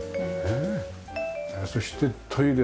そしてトイレ。